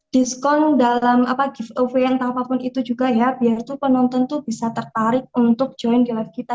diskon dalam giveaway atau apapun itu juga ya biar penonton bisa tertarik untuk join di live kita